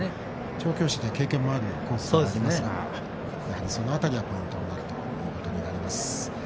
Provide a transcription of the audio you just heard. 調教師でも経験のあるコースではありますがやはり、その辺りがポイントになるということになります。